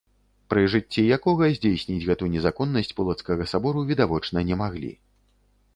Пры жыцці якога здзейсніць гэту незаконнасць полацкага сабору відавочна не маглі.